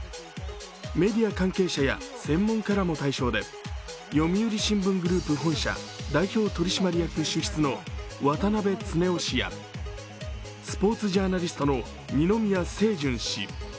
メディア関係者や専門家らも対象で読売新聞グループ本社代表取締役主筆の渡邉恒雄氏や渡邉恒雄氏やスポーツジャーナリストの二宮清純氏。